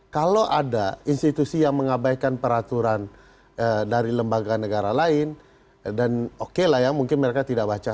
kalau ada institusi yang mengabaikan peraturan dari lembaga negara lain dan oke lah ya mungkin mereka tidak baca